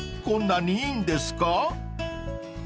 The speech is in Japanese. こんなにいいんですか？］